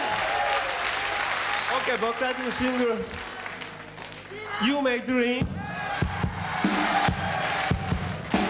オッケー僕たちのシングル「ユーメイドリーム」。